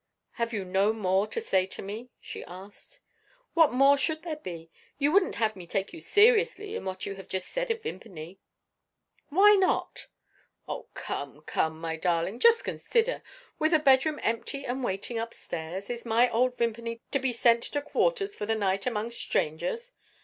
"Have you no more to say to me?" she asked. "What more should there be? You wouldn't have me take you seriously, in what you have just said of Vimpany?" "Why not?" "Oh, come, come, my darling! Just consider. With a bedroom empty and waiting, upstairs, is my old Vimpany to be sent to quarters for the night among strangers?